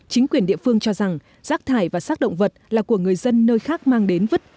chính quyền địa phương cho rằng rác thải và xác động vật là của người dân nơi khác mang đến vứt